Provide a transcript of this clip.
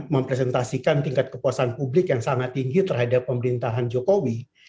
mempresentasikan tingkat kepuasan publik yang sangat tinggi terhadap pemerintahan jokowi